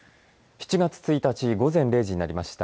７月１日午前０時になりました。